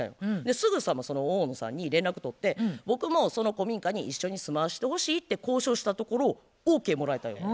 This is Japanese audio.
すぐさまその大野さんに連絡取って僕もその古民家に一緒に住まわしてほしいって交渉したところＯＫもらえたんや。